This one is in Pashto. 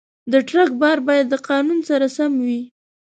د ټرک بار باید د قانون سره سم وي.